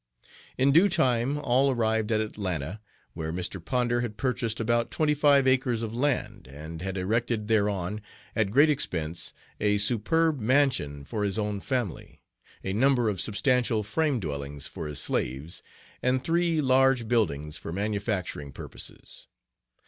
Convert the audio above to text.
In due time all arrived at Atlanta, where Mr. Ponder had purchased about twenty five acres of land and had erected thereon, at great expense, a superb mansion for his own family, a number of substantial frame dwellings for his slaves, and three large buildings for manufacturing purposes.